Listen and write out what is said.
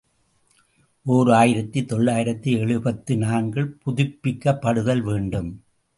ஓர் ஆயிரத்து தொள்ளாயிரத்து எழுபத்து நான்கு இல் புதுப்பிக்கப்படுதல் வேண்டும்.